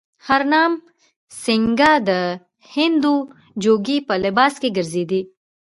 هرنام سینګه د هندو جوګي په لباس کې ګرځېدی.